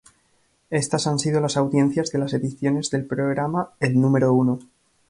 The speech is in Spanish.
Estas han sido las audiencias de las ediciones del programa "El Número Uno".